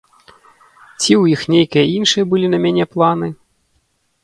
Ці ў іх нейкія іншыя былі на мяне планы.